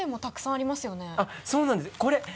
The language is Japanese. あっそうなんですこれ。